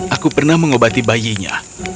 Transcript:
aku pernah mengobati bayinya